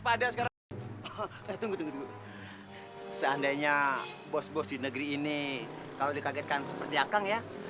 pada sekarang tunggu tunggu seandainya bos bos di negeri ini kalau dikagetkan seperti akang ya